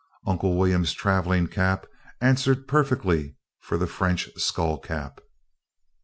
Uncle William's traveling cap answered perfectly for the French skullcap.